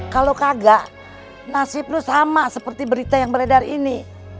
kalau kagak nasib lu sama seperti berita yang beredar ini